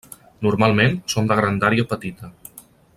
Normalment són de grandària petita.